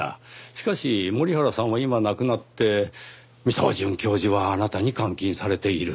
しかし森原さんは今亡くなって三沢准教授はあなたに監禁されている。